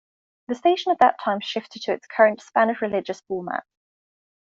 The station at that time shifted to its current Spanish Religious format.